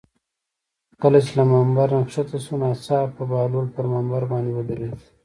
کله چې له ممبر نه ښکته شو ناڅاپه بهلول پر ممبر باندې ودرېد.